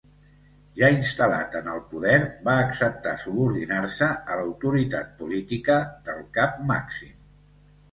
Ja instal·lat en el poder va acceptar subordinar-se a l'autoritat política del Cap Màxim.